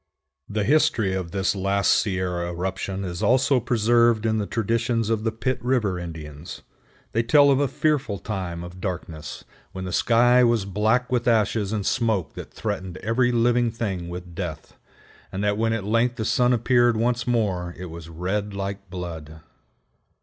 The history of this last Sierra eruption is also preserved in the traditions of the Pitt River Indians. They tell of a fearful time of darkness, when the sky was black with ashes and smoke that threatened every living thing with death, and that when at length the sun appeared once more it was red like blood.